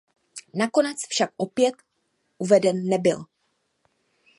Nakonec však opět uveden nebyl.